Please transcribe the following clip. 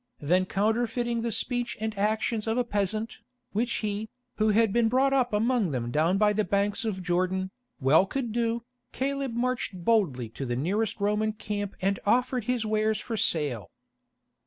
Then counterfeiting the speech and actions of a peasant, which he, who had been brought up among them down by the banks of Jordan, well could do, Caleb marched boldly to the nearest Roman camp and offered his wares for sale.